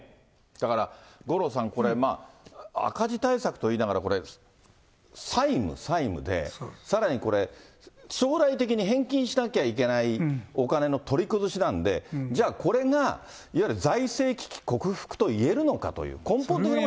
だから、五郎さん、これ、赤字対策といいながら、これ、債務、債務で、さらにこれ、将来的に返金しなきゃいけないお金の取り崩しなんで、じゃあ、これがいわゆる財政危機克服といえるのかという、根本的な。